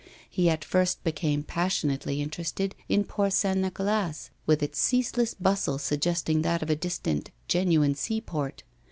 He at first became passionately interested in Port St. Nicolas, with its ceaseless bustle suggesting that of a distant genuine seaport.